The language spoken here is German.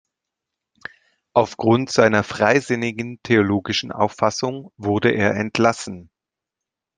Auf Grund seiner freisinnigen theologischen Auffassung wurde er entlassen.